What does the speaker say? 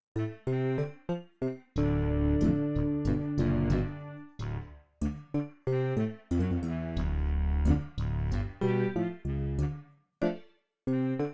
tunggu bom ga keandung lagi